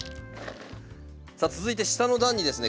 さあ続いて下の段にですね